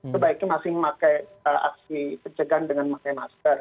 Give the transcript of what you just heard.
sebaiknya masih memakai aksi pencegahan dengan memakai masker